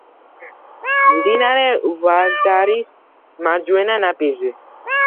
მდინარე ვარდარის მარჯვენა ნაპირზე.